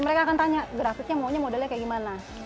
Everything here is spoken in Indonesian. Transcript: mereka akan tanya grafiknya maunya modelnya kayak gimana